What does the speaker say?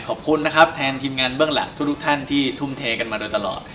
ขอบคุณนะครับแทนทีมงานเบื้องหลังทุกท่านที่ทุ่มเทกันมาโดยตลอด